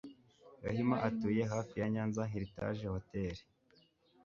gahima atuye hafi ya nyanza heritage hotel